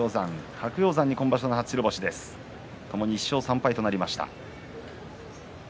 白鷹山に今場所の初白星でともに１勝３敗となりました。